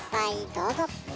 どうぞ。